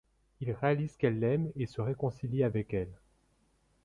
Il réalise qu'elle l'aime et se réconcilie avec elle.